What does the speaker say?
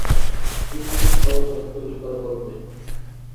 এই জিনিস পাওয়া যায় তৈরি-করা গল্পে।